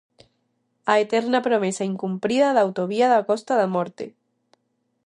A eterna promesa incumprida da autovía da Costa da Morte.